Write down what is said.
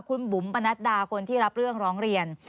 คุณบุ๋มปนัดดาคนที่รับเรื่องร้องเรียน